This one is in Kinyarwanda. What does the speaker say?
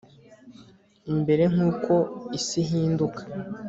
imbere nkuko isi ihinduka